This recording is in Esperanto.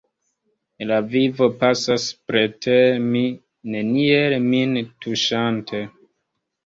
La vivo pasas preter mi, neniel min tuŝante.